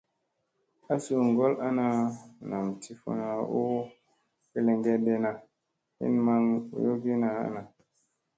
A su gol ana nam ti funa u peleŋgeɗena, hin maŋ boyogina ana.